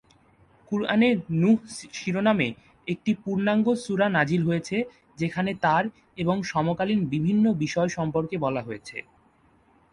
কুরআনে নূহ শিরোনামে একটি পূর্নাঙ্গ সূরা নাযিল হয়েছে যেখানে তার এবং সমকালীন বিভিন্ন বিষয় সম্পর্কে বলা হয়েছে।